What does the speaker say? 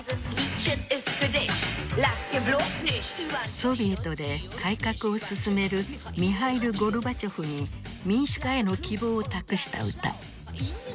ソビエトで改革を進めるミハイル・ゴルバチョフに民主化への希望を託した歌。